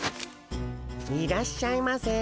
いらっしゃいませ。